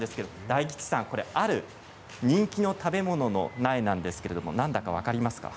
大吉さん、ある人気の食べ物の苗なんですけれど何だか分かりますか？